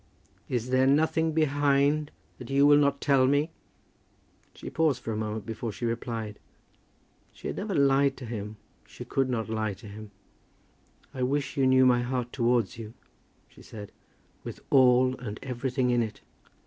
"Is there nothing behind, that you will not tell me?" She paused for a moment before she replied. She had never lied to him. She could not lie to him. "I wish you knew my heart towards you," she said, "with all and everything in it."